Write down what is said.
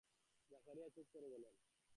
জাকারিয়া চুপ করে গেলেন।